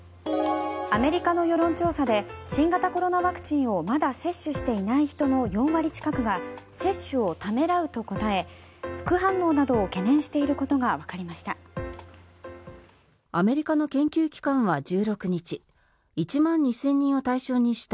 アメリカの世論調査で新型コロナワクチンをまだ接種していない人の４割近くが接種をためらうと答え副反応などを懸念していることがわかりました。